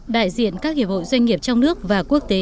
đại diện các hiệp hội doanh nghiệp trong nước và quốc tế